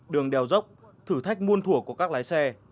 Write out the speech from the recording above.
đường đèo dốc thử thách muôn thủa của các lái xe